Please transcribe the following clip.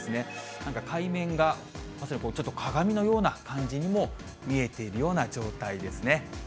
なんか海面が、まさにちょっと鏡のような感じにも見えているような状態ですね。